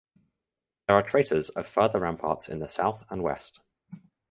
There are traces of further ramparts in the south and west.